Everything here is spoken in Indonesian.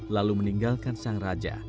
lalu meninggalkan sang raja